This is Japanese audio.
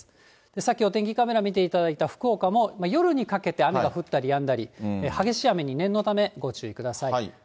さっきお天気カメラ見ていただいた福岡も、夜にかけて雨が降ったりやんだり、激しい雨に念のためご注意ください。